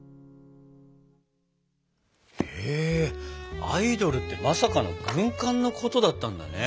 へえアイドルってまさかの軍艦のことだったんだね。